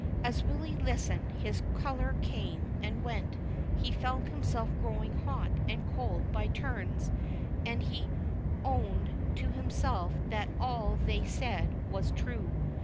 As Willy listened, his color came and went, he felt himself growing hot and cold by turns, and he owned to himself tliat all they said was true.